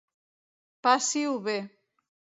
Passi-ho-b